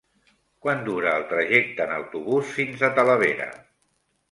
Quant dura el trajecte en autobús fins a Talavera?